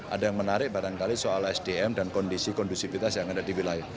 ada yang menarik barangkali soal sdm dan kondisi kondusivitas yang ada di wilayah